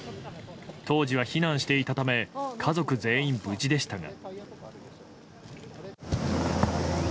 当時は避難していたため家族全員無事でしたが。